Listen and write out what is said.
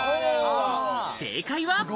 正解は。